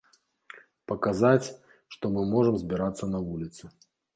Паказаць, што мы можам збірацца на вуліцы.